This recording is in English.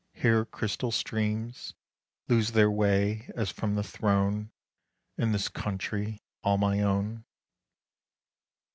Here crystal streams Lose their way, as from the throne, In this country all my own.